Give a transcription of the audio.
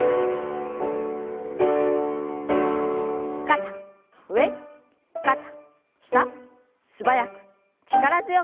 肩上肩下素早く力強く。